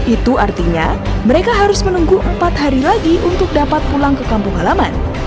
itu artinya mereka harus menunggu empat hari lagi untuk dapat pulang ke kampung halaman